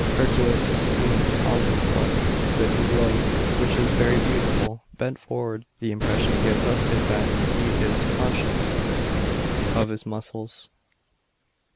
Hercules leans upon his club, with his head, which is very beautiful, bent forward ; the impression he gives us is that he is conscious of his muscles.